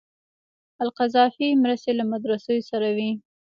القذافي مرستې له مدرسو سره وې.